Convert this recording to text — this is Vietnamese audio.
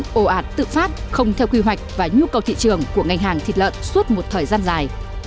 ồ ạt tự phát không theo quy hoạch và nhu cầu thị trường của ngành hàng thịt lợn suốt một thời gian dài